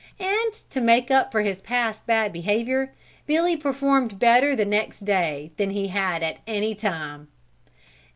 And to make up for his past bad behavior Billy performed better the next day than he had at any time.